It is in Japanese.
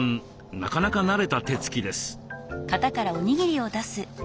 なかなか慣れた手つきです。